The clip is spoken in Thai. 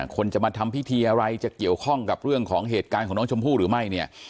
คนจะมาทำพิธีอะไรจะเกี่ยวข้องกับเรื่องของเหตุการณ์ของน้องชมพู่หรือไม่เนี่ย